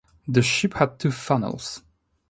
The ship had two funnels.